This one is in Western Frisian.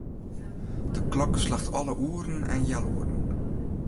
De klok slacht alle oeren en healoeren.